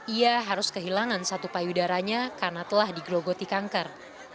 ia harus kehilangan satu payudaranya karena telah digerogoti kanker